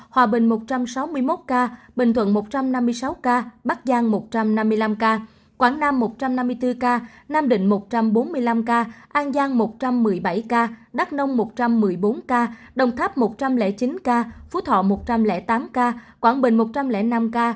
hòa bình một trăm sáu mươi một ca bình thuận một trăm năm mươi sáu ca bắc giang một trăm năm mươi năm ca quảng nam một trăm năm mươi bốn ca nam định một trăm bốn mươi năm ca an giang một trăm một mươi bảy ca đắk nông một trăm một mươi bốn ca đồng tháp một trăm linh chín ca phú thọ một trăm linh tám ca quảng bình một trăm linh năm ca